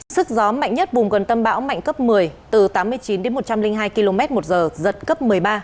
sức gió mạnh nhất vùng gần tâm bão mạnh cấp một mươi từ tám mươi chín đến một trăm linh hai km một giờ giật cấp một mươi ba